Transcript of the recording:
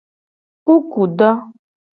Kukudo.